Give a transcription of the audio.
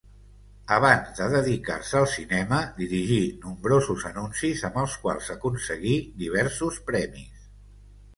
Abans de dedicar-se al cinema dirigí nombrosos anuncis amb els quals aconseguí diversos premis.